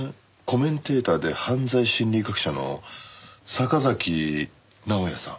コメンテーターで犯罪心理学者の坂崎直哉さん。